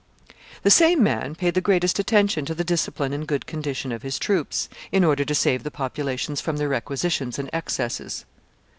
The same man paid the greatest attention to the discipline and good condition of his troops, in order to save the populations from their requisitions and excesses.